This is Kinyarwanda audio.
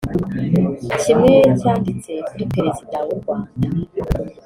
Kimwe yacyanditse kuri Perezida w’u Rwanda